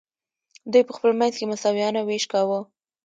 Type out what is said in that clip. دوی په خپل منځ کې مساویانه ویش کاوه.